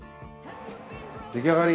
出来上がり？